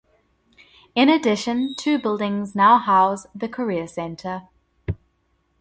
In addition, two buildings now house the Career Center.